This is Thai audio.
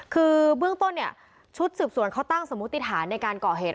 คือเบื้องต้นเนี่ยชุดสืบสวนเขาตั้งสมมุติฐานในการก่อเหตุ